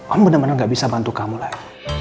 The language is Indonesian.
om bener bener gak bisa bantu kamu lagi